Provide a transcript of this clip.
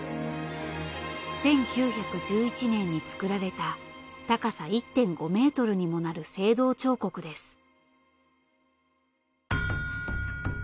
１９１１年に作られた高さ１．５ｍにもなる青銅彫刻です。